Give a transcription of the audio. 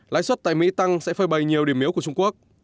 lãi suất tại mỹ tăng sẽ phơi bày nhiều điểm yếu của trung quốc